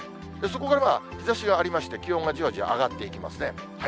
そこから日ざしがありまして、気温がじわじわ上がっていきますね。